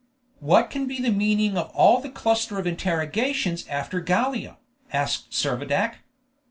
"What can be the meaning of all that cluster of interrogations after Gallia?" asked Servadac.